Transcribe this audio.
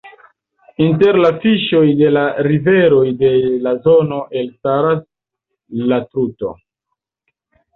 Inter la fiŝoj de la riveroj de la zono elstaras la Truto.